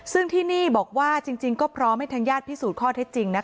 ซึ่งที่นี่บอกว่าจริงก็พร้อมให้ทางญาติพิสูจน์ข้อเท็จจริง